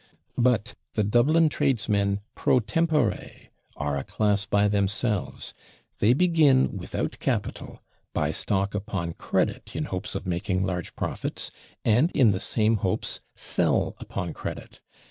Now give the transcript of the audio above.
But the Dublin tradesmen PRO TEMPORE are a class by themselves; they begin without capital, buy stock upon credit in hopes of making large profits, and, in the same hopes, sell upon credit.